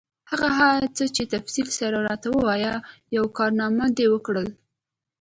هر څه په تفصیل سره راته ووایه، یوه کارنامه دي وکړل؟